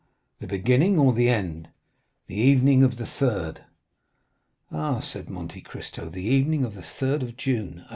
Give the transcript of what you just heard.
"The beginning or the end?" "The evening of the 3rd." 20303m "Ah," said Monte Cristo "the evening of the 3rd of June, 1829.